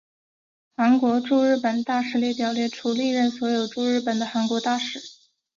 韩国驻日本大使列表列出历任所有驻日本的韩国大使。